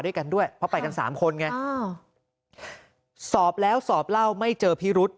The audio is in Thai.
ด้วยกันด้วยเพราะไปกันสามคนไงอ้าวสอบแล้วสอบเล่าไม่เจอพิรุษ